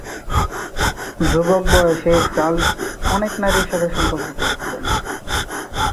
যুবক বয়সে চার্লস অনেক নারীর সাথে সম্পর্ক গড়ে তোলেন।